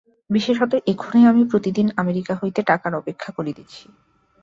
বিশেষত এক্ষণে আমি প্রতিদিন আমেরিকা হইতে টাকার অপেক্ষা করিতেছি।